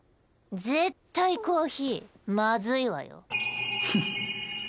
絶対コーヒーまずいわよ。